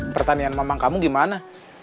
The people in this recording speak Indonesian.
pertanian mamang kamu gimana